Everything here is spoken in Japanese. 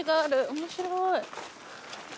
面白い。